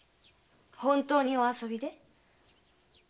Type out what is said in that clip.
本当にお遊びで？